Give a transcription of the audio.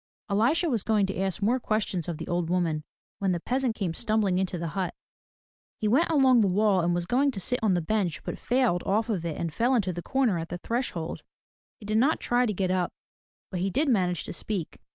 Elisha was going to ask more questions of the old woman, when the peasant came stumbling into the hut. He went along the wall and was going to sit on the bench but failed of it and fell into the comer at the threshold. He did not try to get up, but he did manage to speak.